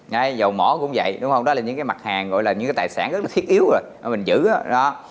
đấy dầu mỏ cũng vậy đúng không đó là những cái mặt hàng gọi là những cái tài sản rất là thiết yếu rồi mà mình giữ đó